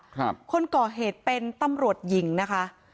คนก่อเหตุเป็นตำรวจหญิงนะคะ